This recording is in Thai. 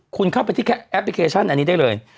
คุณเข้าไปที่แอปพลิเคชันอันนี้ได้เลย